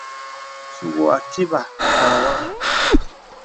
Sùŋūū àkībà nà wàm.